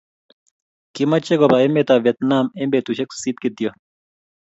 Kimache kobaa emetab Vietnam eng betushiek sisit kityo